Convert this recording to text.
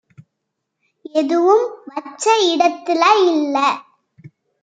எதுவும் வச்ச இடத்தில இல்ல